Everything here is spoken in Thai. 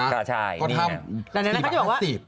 ก็ทำ๔๕ลิตร